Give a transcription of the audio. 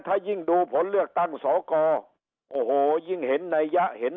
ถ้ายิ่งดูผลเลือกตั้งสอกรโอ้โหยิ่งเห็นนัยยะเห็น